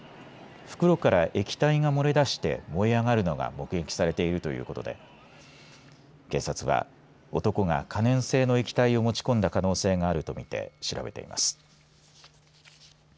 袋から液体が漏れ出して燃え上がるのが目撃されているということで警察は男が可燃性の液体を持ち込んだ可能性があるとみて調べています。